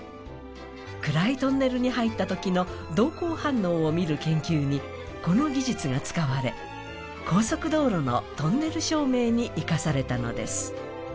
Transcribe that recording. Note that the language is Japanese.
暗いトンネルに入ったときの瞳孔反応を見る研究にこの技術が使われ、高速道路のトンネル照明に生かされたのです。